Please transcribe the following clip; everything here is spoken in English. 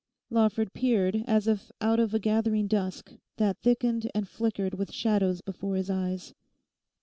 Lawford peered as if out of a gathering dusk, that thickened and flickered with shadows before his eyes.